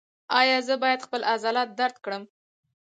ایا زه باید خپل عضلات درد کړم؟